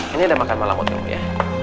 ini ada makan malam otin ya